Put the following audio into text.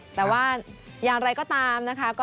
แต่ว่ายังไหร่ก็ตามนะครับ